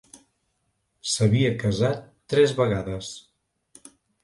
S'havia casat tres vegades.